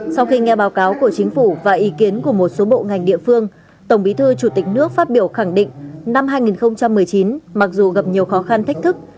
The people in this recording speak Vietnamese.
sau khi nghe báo cáo của chính phủ và ý kiến của một số bộ ngành địa phương tổng bí thư chủ tịch nước phát biểu khẳng định năm hai nghìn một mươi chín mặc dù gặp nhiều khó khăn thách thức